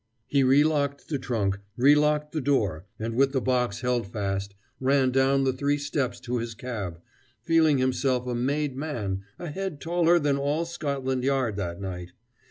He relocked the trunk, relocked the door, and with the box held fast, ran down the three stairs to his cab feeling himself a made man, a head taller than all Scotland Yard that night.